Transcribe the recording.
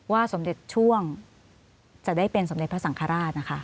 สมเด็จช่วงจะได้เป็นสมเด็จพระสังฆราชนะคะ